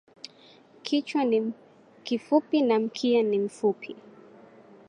Kichwa ni kifupi na mkia ni mfupi.